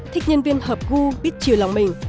thích nhân viên hợp gu biết chiều lòng mình